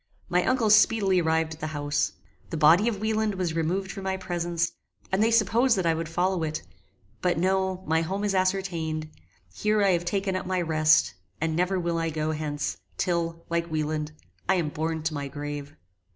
My uncle speedily arrived at the house. The body of Wieland was removed from my presence, and they supposed that I would follow it; but no, my home is ascertained; here I have taken up my rest, and never will I go hence, till, like Wieland, I am borne to my grave.